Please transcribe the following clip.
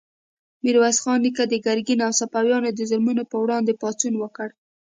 میرویس خان نیکه د ګرګین او صفویانو د ظلمونو په وړاندې پاڅون وکړ.